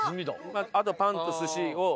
あとパンと寿司を。